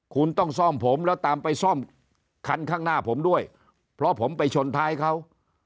คุณต้องซ่อมผมแล้วตามไปซ่อมคันข้างหน้าผมด้วยเพราะผมไปชนท้ายเขา